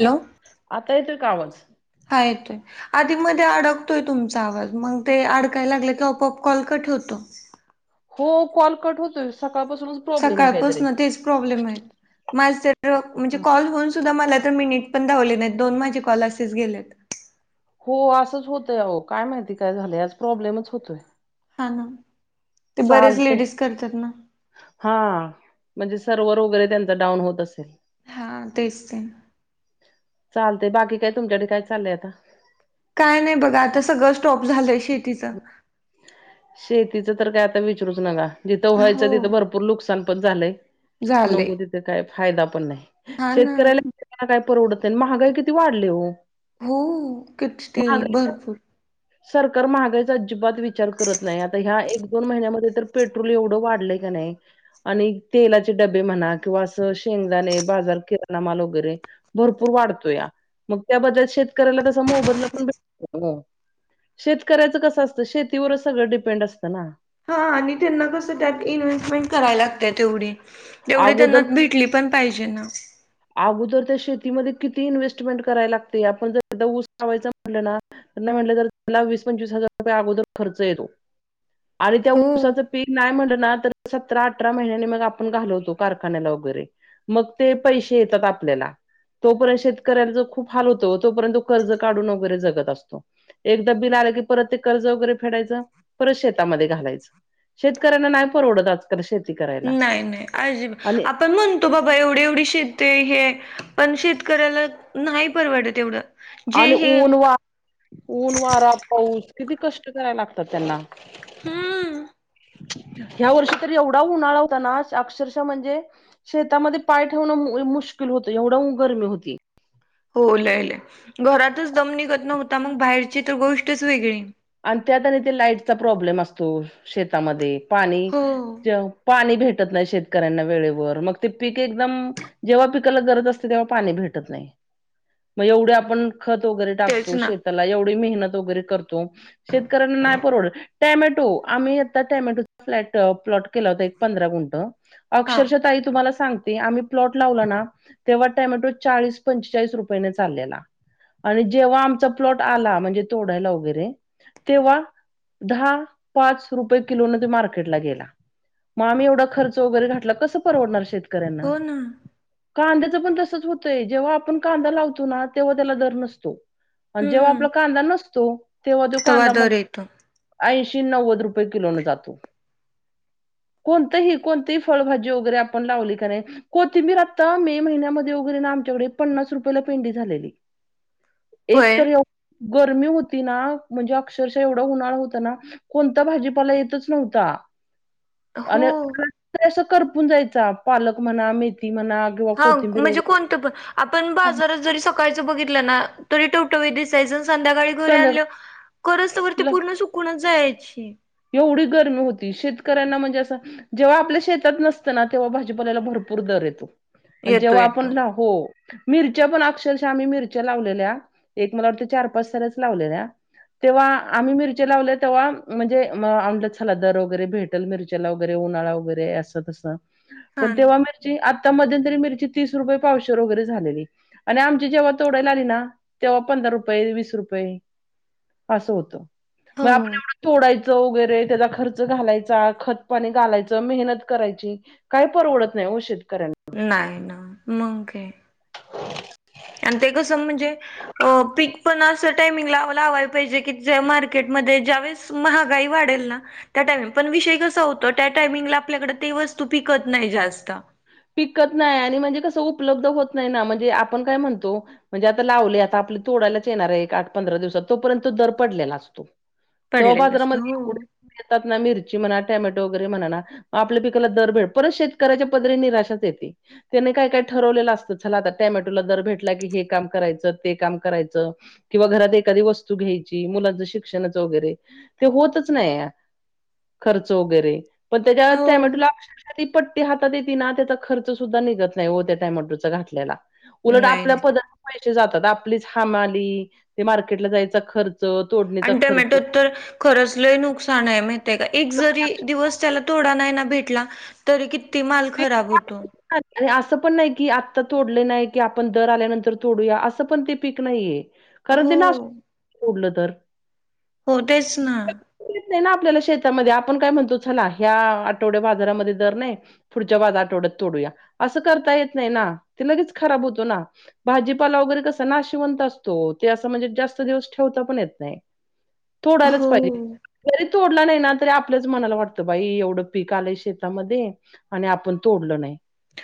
Hello आता येतोय का आवाज? हा येतोय. आधी मध्ये अडकतोय तुमचा आवाज मग ते अडकायला लागला की आपोआप कॉल कट होतो. हो कॉल कट होतोय. सकाळपासूनच प्रॉब्लेम आहे काहीतरी. सकाळपासना तेच प्रॉब्लेम ए. माझ तर म्हणजे कॉल होऊन सुद्धा मला तर मिनिट पण दावले नाहीत. दोन माझे कॉल असेच गेलेत. हो असंच होतय अहो काय माहिती काय झालंय? आज प्रॉब्लेमच होतोय. हा ना ते बरेच चालतंय लेडीज करतात ना हा.. म्हणजे सर्व्हर वगैरे त्यांच डाऊन होत असेल. हा तेच ते चालतंय बाकी काय तुमच्याकडे काय चाललंय आता? काय नाही, बघा आता सगळं स्टॉप झालंय शेतीचं शेतीच तर काय आता विचरूच नका जिथं हो. व्हायचं तिथं भरपूर नुकसान पण झालंय. नको झालंय तिथे काय फायदा पण नाही. हा ना शेतकऱ्याला त्यां ना काय परवडतय महागाई किती वाढली ओ हो किती भरपूर सरकार महागाईचा अजिबात विचार करत नाही. आता ह्या एक दोन महिन्यामध्ये तर पेट्रोल एवढं वाढलंय का न्हाय आणि तेलाचे डबे म्हणा किंवा असं शेंगदाणे बाजार किराणा माल वगैरे भरपूर वाढतोया, मग त्याबद्दल शेतकऱ्याला तसा मोबदला पण भ भेटतो ना. शेतकऱ्याचं कसं असतं, शेतीवरचं सगळं डिपेंड असतं ना. हा आणि त्यांना कस त्यात इन्व्हेस्टमेंट कराया लागत्या तेवढी एवढे त्यांना अगोदर भेटली पण पाहिजे ना अगोदर त्या शेतीमध्ये किती इन्व्हेस्टमेंट करायला लागते. आपण जर एकदा ऊस लावायच म्हटलं ना नाही म्हटलं तर त्याला वीस पंचवीस हजार रुपये अगोदर खर्च येतो. आणि त्या हो ऊसाचं पीक नाही म्हटलं ना तर सतरा अठरा महिन्याने मग आपण घालवतो. कारखान्याला वगैरे मग ते, पैसे येतात आपल्याला. तोपर्यंत शेतकऱ्यांचं खूप हाल होतो. ओ तोपर्यंत तो कर्ज काढून वगैरे जगत असतो. एकदा बिन आलं की परत ते कर्ज वगैरे फेडायचं. परत शेतामध्ये घालायचं शेतकऱ्यांना नाही परवडत आज तर शेती करा नाही नाही अजीबा. आपण म्हण तो बाबा एवढी एवढी शेती हे पण, शेतकऱ्याला नाही परवडत एवढं. जे आणि हे ऊन वा--ऊन वारा पाऊस किती कष्ट करायला लागतात. त्यांना हम्म ह्या वर्षी तर एवढा उन्हाळा होता ना अक्षरशः म्हणजे शेतामध्ये पाय ठेवणं मुश्किल होतं एवढं गर्मी होती. हो लय लय घरातच दम निघत नव्हता मग बाहेरची तर गोष्टच वेगळी आणि त्यात आणि ते लाईटचा प्रॉब्लेम असतो शेतामध्ये पाणी हो पाणी भेटत नाही शेतकऱ्यांना वेळेवर मग ते पीक एकदम जेव्हा पिकाला गरज असते तेव्हा पाणी भेटत नाही मग एवढे आपण खत वगैरे तेच टाकतो ना शेताला एवढी मेहनत वगैरे करतो शेतकऱ्यांना नाय परवड टॅमॅटो आम्ही आता टॅमॅटोचा प्लॉट केला होता एक पंधरा गुंटं हा अक्षरशः ताई तुम्हाला सांगते आम्ही प्लॉट लावला ना तेव्हा टॅमॅटो चाळीस पंचेचाळीस रुपयने चाललेला आणि जेव्हा आमचा प्लॉट आला म्हणजे तोडायला वगैरे तेव्हा दहा पाच रुपये किलो न ते मार्केटला गेला. मग आम्ही एवढा खर्च वगैरे घातला कसं परवडणार शेतकऱ्यांना हो ना कांद्याचं पण तसच होतंय जेव्हा आपण कांदा लावतो ना तेव्हा त्याला दर नसतो. जेव्हा हम्म आपला कांदा नसतो तेव्हा त्यो तवा कांदा मग दर येतो ऐंशी नव्वद रुपये किलो नं जातो कोणतंही कोणतीही फळभाजी वगैरे आपण लावली कनाय कोथिंबीर आता मे महिन्यामध्ये वगैरे ना आमच्याकडे पन्नास रुपयेला पेंडी झालेली होय एकतर गर्मी होती ना म्हणजे अक्षरशः एवढा उन्हाळा होता ना कोणता भाजीपाला येतच नव्हता. आणि हो अस करपून जायचा पालक म्हणा, मेथी म्हणा किंवा हा कोथिंबीर म्हणजे वगैरे कोण? तं पण आपण बाजारात जरी सकाळच बघितलं ना तरी टवटवीत दिसायचा आणि संध्या काळी घरी संध्याकाळ आणल्यावर करस्तवर ती पूर्ण सुकूनच जायाची एवढी गर्मी होती शेतकऱ्यांना म्हणजे असं जेव्हा आपल्या शेतात नसतं ना तेव्हा भाजीपाल्याला भरपूर दर येतो आणि येतो जेव्हा येतो. आपण लाव हो मिरच्या पण अक्षरशः आम्ही मिरच्या लावलेल्या एक मला वाटतंय चार पाच सऱ्याच लावलेल्या तेव्हा आम्ही मिरची लावल्या तेव्हा म्हणजे मग म्हंणलं चला दर वगैरे भेटल मिरच्याला वगैरे उन्हाळा वगैरे असं तसं पण हा ना. तेव्हा मिरची आता मध्यंतरी मिरची तीस रुपये पावशर वगैरे झालेली आणि आमची जेव्हा तोडायला आली ना तेव्हा पंधरा रुपये, वीस रुपये असं होतं मग हो. आपण एवढं तोडायचं चं वगैरे त्याचा खर्च घालायचा, खतपाणी घालायचं, मेहनत करायची काय परवडत नाही ओ शेतकऱ्यांना. नाही ना, मग काय? [inaudible] आणि ते कसं म्हणजे अ पीक पण असं टाइमिंग ला लावाय पाहिजे की, ज्या मार्केटमध्ये ज्यावेळेस महागाई वाढेल ना त्या टायमिंग, पण विषय कसा होतो त्या टायमिंगला आपल्याकडे ते वस्तू पिकत नाही जास्त. पिकत नाय आणि म्हणजे कसं उपलब्ध होत नाही ना म्हणजे आपण काय म्हणतो? म्हणजे आता लावलय आता आपले तोडायलाच येणार आहे, एक आठ पंधरा दिवसात तोपर्यंत दर पडलेला असतो. तवा पडलेलं असत. बाजारामध्ये हो. एवढे? येतात ना. मिरची म्हणा, टोमॅटो वगैरे म्हणाना आपल्या पिकाला दर भेटल परत शेतकऱ्याच्या पदरी निराशाच येते. त्यानी काय काय ठरवलेलं असतं, चला आता टोमॅटोला दर भेटला की हे काम करायचं, ते काम करायचं. किंवा घरात एखादी वस्तू घ्यायची, मुलांचं शिक्षणाच वगैरे ते होतच नाहीय. खर्च वगैरे. पण त्याच्या हो टोमॅटोला अक्षरशा ती पट्टी आत त्याचा खर्च सुद्धा निघत नाही ओ त्या टोमॅटो चा घातलेला. उलट नाही आपल्या नाही. पदरचा पैसे जातात. आपलीच हमाली ते मार्केटला जायचा खर्च. च तोडून अन टोमॅटो तर खरच लय नुकसान आहे माहितय का? एक जरी सगळ्या दिवस त्याला तोडा नाही ना भेटला तरी किती माल ते खराब होतो. असं पण नाही की आत्ता तोडले नाही की आपण दर आल्यानंतर तोडूया असं पण ते पीक नाहीये. कारण हो, ति नासत सोडलं तर. हो, तेच ना. कोणीच नाही ना आपल्याला शेतामध्ये आपण काय म्हणतो, चला ह्या आठवड्या बाजारामध्ये दर नाही. पुढच्या आठवड्यात तोडूया असं करता येत नाही ना, ते लगेच खराब होतो ना. भाजीपाला वगैरे कस नाशिवंत असतो ते असं म्हणजे जास्त दिवस ठेवता पण येत नाही. तोडायलाच हो पाहिजे. म तोडला नाही ना तरी आपल्याच मनाला वाटतं बाई एवढं पीक आलंय शेतामध्ये आणि आपण तोडलो नाही.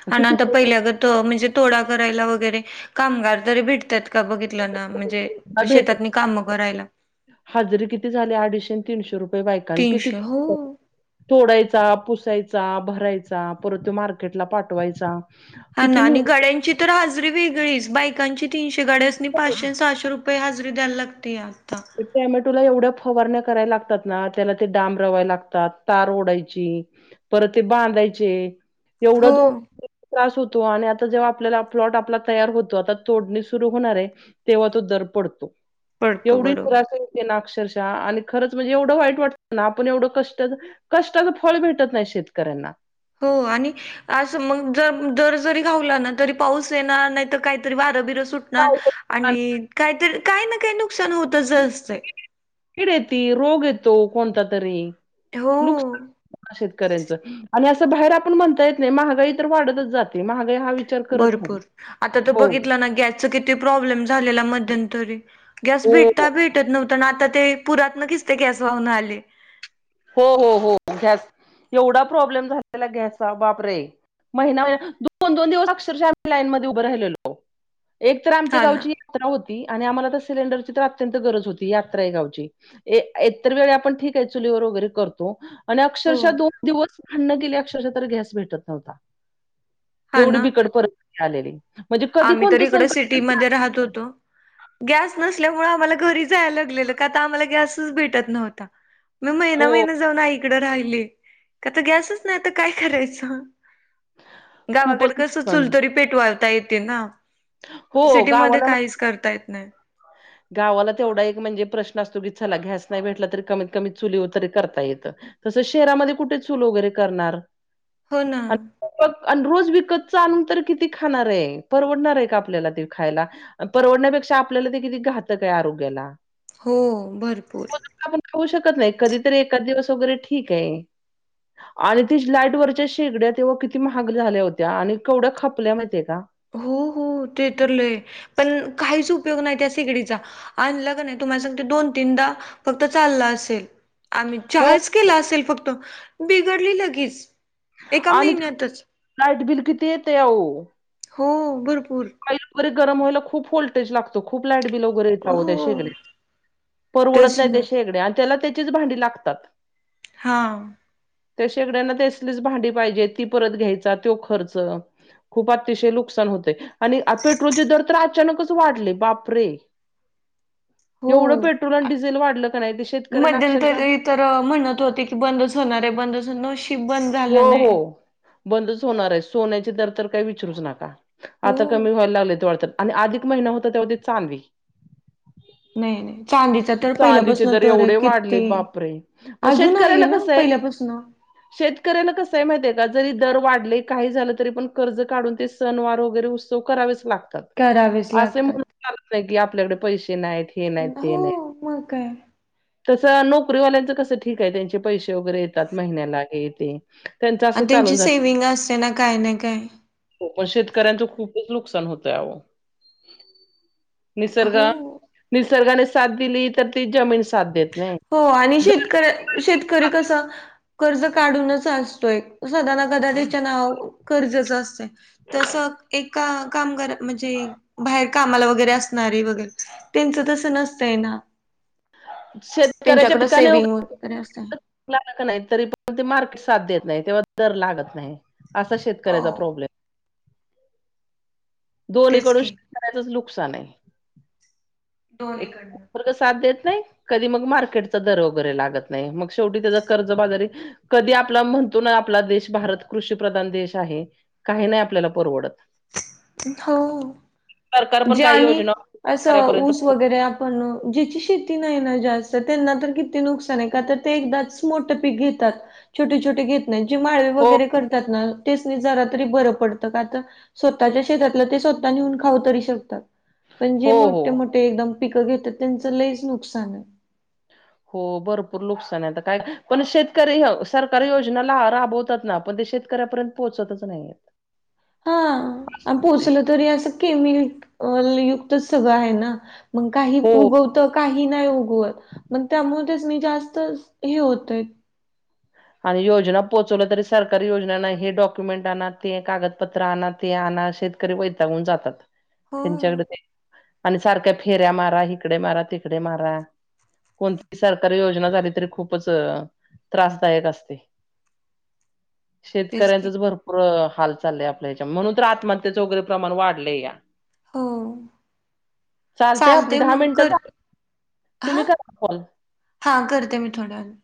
मग अन किती आता पहिल्या ग त म्हणजे तोडा करायला वगैरे कामगार तरी भेटतात का बघितलं ना म्हणजे शेतातनी काम करायला. हजरी किती झाली अडीचशे तीनशे रुपये बायकांना तीनशे हो. तोडायचा, पुसायचा, भरायचा, परत तो मार्केटला पाठवायचा. हा किती ना. आणि मेहनत गड्यांची तर हजरी वेगळीच बायकांची तीनशे, गड्यांसनी पाचशे -सहाशे रुपये रुपये हजरी द्यायला लागते आता. टोमॅटोला एवढ्या फवारण्या कराय लागतात ना, त्याला ते डांब रवाय लागतात, तार ओढायचे परत ते बांधायचे. एवढा हो, दो त्रास होतो आणि आता जेव्हा आपल्याला प्लॉट आपला तयार होतो, आता तोडणी सुरू होणार आहे. तेव्हा तो दर पडतो. पडतो, बरोबर. पडतेय ना अक्षरशः आणि खरंच म्हणजे एवढं वाईट वाटतं ना आपण एवढं कष्ट कष्टाचं फळ भेटत नाही शेतकऱ्यांना. हो आणि असं मग जर दर जरी घाऊला ना तरी पाऊस येणार, नाहीतर काहीतरी वारं बिरं सुट णार काही काही आणि काहीतरी काही ना काही नुकसान होतच असतंय. किड येती, रोग येतो कोणता तरी. हो. [unintelligible] शेतकऱ्यांच आणि असं बाहेर आपण म्हणता येत नाही महागाई तर वाढतच जाते महागाई हा- विचार करत भरपूर. नाही. आता तर हो बघितलं ना गॅसच किती प्रॉब्लेम झालेला मध्यंतरी. गॅस हो भेटता भेटत नव्हत‌ आता ते पुरातन किस ते गॅस वाहून आले. हो हो हो. गॅस. एवढा प्रॉब्लेम झालेला गॅसचा बाप रे! महिना दोन दोन दिवस अक्षरशः आम्ही लाईन मध्ये उभं राहिलेलो एक तर आमच्या हा ना गावची- यात्रा होती आणि आम्हाला तर सिलेंडरची तर अत्यंत गरज होती यात्राय गावची. इतर वेळी आपण ठीक ये चुलीवर वगैरे करतो आणि हो अक्षरशः दोन दिवस भाडंण केली अक्षरशः तरी गॅस भेटत नव्हता. हा एवढी ना बिकट परिस्थिती आलेली म्हणजे कधी आम्ही तर कोणतं इकड संकट येईल सिटीमध्ये सांग राहत होतो. गॅस नसल्यामुळे आम्हाला घरी जायला लागलेलं का तर आम्हाला गॅसच भेटत नव्हता मग महिना हो महिना जाऊन आईकड राहिले का त गॅसच नाही आता काय करायचं? खूपच गावाकड कस नुकसान. चुलतरी पेटवावता येते ना हो सिटीमध्ये गावाला माहि काहीच करता येत नाही. गावाला तेवढा एक म्हणजे प्रश्न असतो की चला गॅस नाही भेटला तरी कमीत कमी चुलीवर तरी करता येतं- तसं शहरामध्ये कुठे चूल वगैरे करणार? हो ना. आण रोज विकतच आणून तर किती खाणार ये परवडणार ये का आपल्याला ते खायला परवडण्यापेक्षा आपल्याला ते किती घातक ये आरोग्याला हो भरपूर मग आपण खाऊ शकत नाही कधीतरी एकाद दिवस वगैरे ठीक ये. आणि ते लाईट वरच्या शेगड्या तेव्हा किती महाग झाल्या होत्या आणि केवढ्या खपल्या माहितीये का? हो हो ते तर लय पण काहीच उपयोग नाही त्या शेगडीचा आणला का नाई तुम्हाला सांगते दोन तीनदा फक्त चालला असेल आम्ही हो चहाच केला असेल फक्त बिघडली लगेच एका आणि महिन्यातच त्यात लाइट बिल किती येते आओ हो भरपूर पाईप वगैरे गरम व्हायला खूप व्होल्टेज लागतो खूप लाईट बिल वगैरे हो परवडत तेच नाही त्या ना शेगड्या आण त्याला त्याचीच भांडी लागतात. हां. त्या शेगड्यांना तेसलीच भांडी पाहिजे ती परत घ्यायचा त्यो खर्च खूप अतिशय नुकसान होतय. आणि पेट्रोलचे दर तर अचानकच वाढले बापरे हो एवढं पेट्रोल आण डिझेल वाढलं का नाही. शेतकऱ्यांना अक्षरशः मध्यंतरी तर म्हणत होती की बंदच होणार ये बंदच बंद हो झालं हो नाही बंदच होणार ये सोन्याचे दर तर काही विचरूच नका. हो आता कमी व्हायला लागलेत वाटत आणि आधिक महिना होता तेव्हा ते चांदी नाही नाही चांदी चांदीचे दर एवढे वाढले बापरे मग अजून आहे शेतकऱ्याला ना कसंय- पहिल्यापासून शेतकऱ्याला कसये माहती ये का जरी दर वाढले काही झालं तरी पण कर्ज काढून ते सणवार वगैरे उत्सव करावेच लागतात. करावेच असे लागतात म्हणून चालत नाही की आपल्याकडे पैसे नाहीत हे नाहीत ते नाही. हो म काय तसं नोकरीवाल्यांचं कसं ठीक आहे त्यांचे पैसे वगैरे येतात महिन्याला हे ते त्यांचं आण असं त्यांची चालून सेविंग असतेना काय ना काय हो पण शेतकऱ्यांचं खूपच नुकसान होतये आओ निसर्ग हो निसर्गाने साथ दिली तर ती जमीन साथ दे हो आणि शेतक शेतकरी कस- कर्ज काढूनच असतोय सदा ना कदा त्याच्या नावावर कर्जचं असतंय. तस एक कामगार म्हणजे बाहेर कामाला वगैरे असणारी त्यांच तस नसतंय ना शेतकऱ्याच्या त्यांच्याकडे पिकाने सेविंग वगैरे [inaudible] असतंय. [unintelligible] तरी पण ते मार्केट साथ देत नाही, तेव्हा दर लागत नाही. अस शेतकऱ्याचा हो प्रॉब्लेम तेच दोन्हीकडून की शेतकऱ्याचंच नुकसान आहे. एकतर दोन्हीकडनं निसर्ग साथ देत नाही. कधी मग मार्केटचा दर वगैरे लागत नाही, मग शेवटी त्याचा कर्जबाजारी कधी आपला म्हणतो ना आपला देश भारत कृषीप्रधान देश आहे. काही नाही आपल्याला परवडत. हो सरकार पण जे काही आम्ही योजना असं शेतकऱ्यापर्यंत ऊस वगैरे रे आपन ज्याची शेती नाही ना जास्त, त्यांना तर किती नुकसान आहे का तर ते एकदाच मोठं पीक घेतात. छोटे छोटे घेत नाहीत. जे माळवं हो वगैरे करतात ना त्यासनी जरातरी बर पडत. का तर? स्वतःच्या शेतातलं ते स्वतः नेऊन खाऊ तरी श कतात. पण जे हो हो मोठे मोठे एकदम पिकं घेतात त्यांच लयीच नुकसान आहे. हो भरपूर नुकसान आहे आता काय? पण शेतकरी सरकारी योजना राबवतात ना पण ते शेत कऱ्या पर्यंत पोहचतच नाही आहेत. हां. आणि पोहोचल तरी असं केमि कल युक्तच सगळं आहे ना? मंग काही हो उगव त काही नाही उगवत, मग त्यामुळ त्यासनी जास्तच हे होतय. आणि योजना पोहोचवलं तरी, सरकारी योजनाना हे डॉक्युमेंट आणा, ते कागदपत्र आणा, ते आणा शेत करी वैतागून जातात. हो. त्यांच्याकडे आणि सारख्या फेऱ्या मारा, हिकडे मारा, तिकडे मारा. कोणती सरकारी योजना झाली तरी, खूपच त्रास दायक असते. तेच की शेतकऱ्यांचच भर पूर हाल चाललेय आपल्या हेच्यात म्हणून तर आत्महत्याच वगैरे प्रमाण वाढलया हो चालतय आपली चालते दहा मग मिनटं कर झाली. तुम्ही करा कॉल हां, करते मी थोड्या वेळानं.